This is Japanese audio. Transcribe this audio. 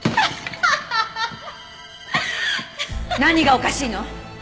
何がおかしいの！？